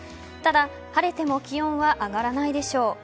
ただ、晴れても気温は上がらないでしょう。